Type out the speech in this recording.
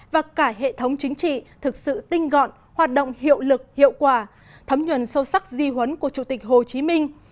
và cả hệ thống chính trị thực sự tinh gọn hoạt động hiệu lực hiệu quả thấm nhuận sâu sắc di huấn của chủ tịch hồ chí minh